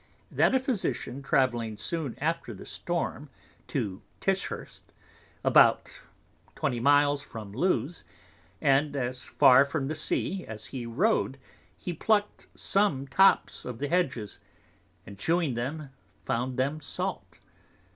_ 'That a Physician travelling soon after the Storm to Tisehyrst, about 20 Miles from Lewes, and as far from the Sea, as he rode he pluckt some tops of Hedges, and chawing them found them Salt.